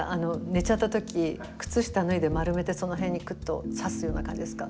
寝ちゃった時靴下脱いで丸めてその辺にクッとさすような感じですか？